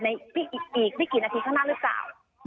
อีกไม่กี่นาทีข้างหน้าหรือเปล่า